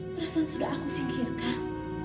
perasaan sudah aku singkirkan